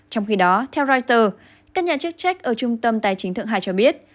trong khi đó theo reuters các nhà chức trách ở trung tâm tài chính thượng hải cho biết